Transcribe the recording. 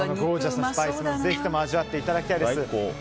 スパイスもぜひとも味わっていただきたいです。